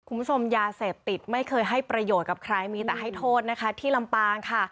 คุณผู้ชมยาเสพติดไม่เคยให้ประโยชน์กับใครมีแต่ให้โทษนะคะที่ลำปางค่ะ